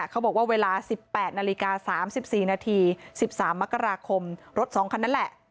เขาบอกว่าเวลา๑๘นาฬิกา๓๔นาที๑๓มกราคมรถ๒คันนั้นแหละ